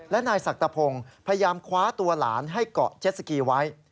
และนายศักพงศ์พยายามคว้าตัวหลานให้เกาะเจ็ดสกีไว้